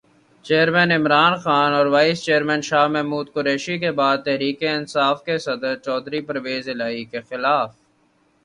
chairman Imran Khan اور vice chairman Shah Mahmood Qureshi کے بعد تحریک انصاف کے صدر چودھری پرویزالہٰی کی خلافِ قانون سفّاکانہ گرفتاری